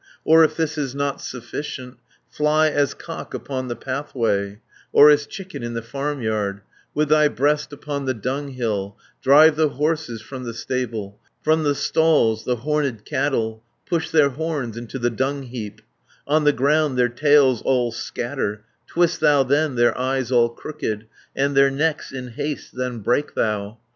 "Or if this is not sufficient, Fly as cock upon the pathway, Or as chicken in the farmyard, With thy breast upon the dunghill, 340 Drive the horses from the stable, From the stalls the horned cattle, Push their horns into the dungheap, On the ground their tails all scatter, Twist thou then their eyes all crooked, And their necks in haste then break thou.